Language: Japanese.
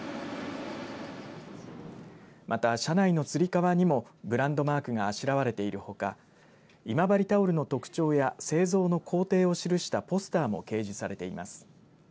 また車内のつり革にもブランドマークがあしらわれているほか今治タオルの特徴や製造の工程を記したポスターも掲示されています。